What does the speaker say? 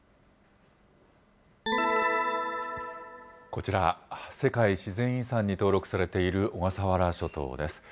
こちら、世界自然遺産に登録されている小笠原諸島です。